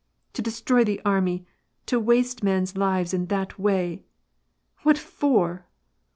" To destroy the army, to waste men's lives in that way ! What for